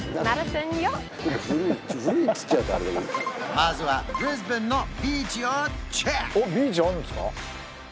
まずはブリスベンのビーチをチェック！